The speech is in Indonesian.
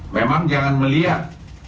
memang jangan melihat